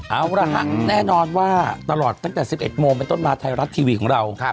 เอาละฮะแน่นอนว่าตลอดตั้งแต่๑๑โมงเป็นต้นมาไทยรัฐทีวีของเรา